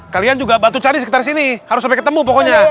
kalian juga bantu cari sekitar sini harus sampai ketemu pokoknya